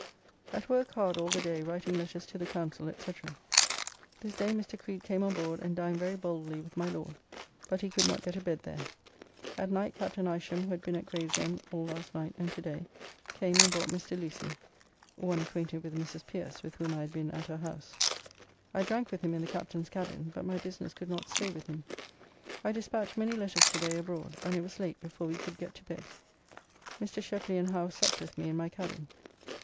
At work hard all the day writing letters to the Council, &c. This day Mr. Creed came on: board and dined very boldly with my Lord, but he could not get a bed there. At night Capt. Isham who had been at Gravesend all last night and to day came and brought Mr. Lucy (one acquainted with Mrs. Pierce, with whom I had been at her house), I drank with him in the Captain's cabin, but my business could not stay with him. I despatch many letters to day abroad and it was late before we could get to bed. Mr. Sheply and Howe supped with me in my cabin.